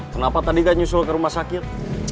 kenapa tadi gak nyusul ke rumah sakit